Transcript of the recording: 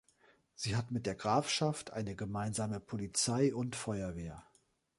Sie hat mit der Grafschaft eine gemeinsame Polizei und Feuerwehr.